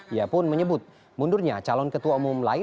ia pun menyebut mundurnya calon ketua umum lain